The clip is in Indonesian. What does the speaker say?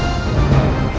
biar gak telat